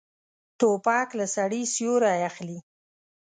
توپک له سړي سیوری اخلي.